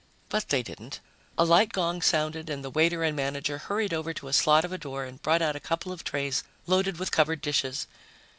But they didn't. A light gong sounded, and the waiter and manager hurried over to a slot of a door and brought out a couple of trays loaded with covered dishes.